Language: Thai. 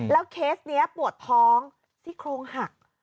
เคสนี้ปวดท้องซี่โครงหัก